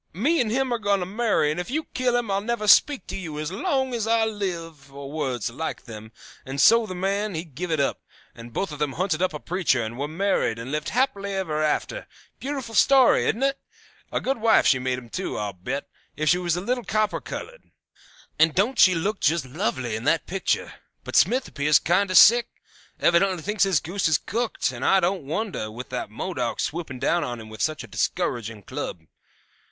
Me and him are going to marry, and if you kill him I'll never speak to you as long as I live,' or words like them, and so the man he give it up, and both of them hunted up a preacher and were married and lived happy ever afterward. Beautiful story, isn't it? A good wife she made him, too, I'll bet, if she was a little copper colored. And don't she look just lovely in that picture? But Smith appears kinder sick; evidently thinks his goose is cooked; and I don't wonder, with that Modoc swooping down on him with such a discouraging club.